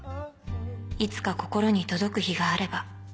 ［いつか心に届く日があれば］